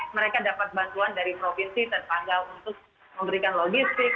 mereka dapat bantuan dari provinsi terpanggal untuk memberikan logistik